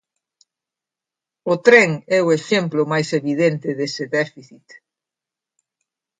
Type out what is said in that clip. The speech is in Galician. O tren é o exemplo máis evidente dese déficit.